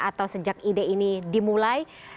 atau sejak ide ini dimulai